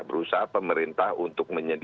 berusaha pemerintah untuk menyelamatkan